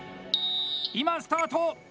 今、スタート！